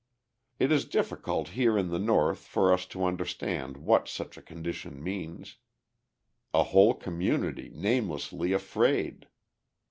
It is difficult here in the North for us to understand what such a condition means: a whole community namelessly afraid!